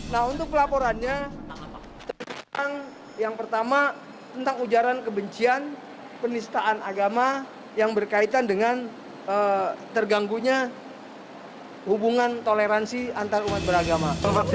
nah untuk pelaporannya yang pertama tentang ujaran kebencian penistaan agama yang berkaitan dengan terganggunya hubungan toleransi antarumat beragama